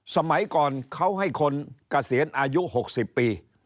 สมัยก่อนเขาให้คนเกษียณอายุ๖๐ปี